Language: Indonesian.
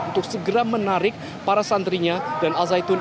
untuk segera menarik para santrinya dan al zaitun